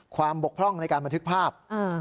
บกพร่องในการบันทึกภาพ